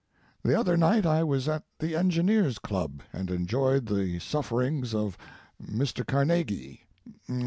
The other night I was at the Engineers' Club, and enjoyed the sufferings of Mr. Carnegie.